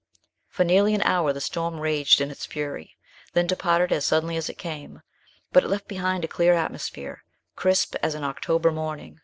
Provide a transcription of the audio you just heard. For nearly an hour the storm raged in its fury, then departed as suddenly as it came; but it left behind a clear atmosphere, crisp as an October morning.